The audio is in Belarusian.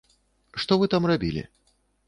Што вы там рабілі?